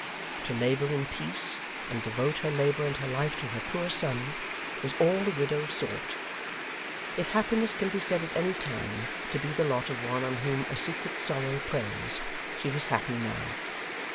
To labour in peace, and devote her labour and her life to her poor son, was all the widow sought. If happiness can be said at any time to be the lot of one on whom a secret sorrow preys, she was happy now.